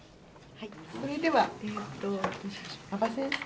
それではえっと馬場先生。